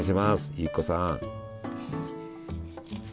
由紀子さん。